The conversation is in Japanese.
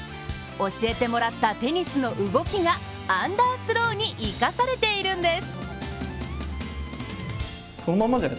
教えてもらったテニスの動きがアンダースローに生かされているんです。